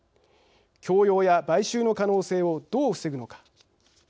強要や買収の可能性をどう防ぐのか。